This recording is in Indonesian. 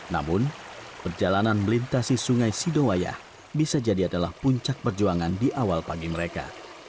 namun perjalanan melintasi sungai sidowayah bisa jadi adalah puncak perjuangan di awal pagi mereka